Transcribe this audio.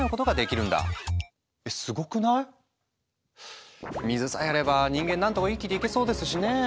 すごくない⁉水さえあれば人間何とか生きていけそうですしねぇ。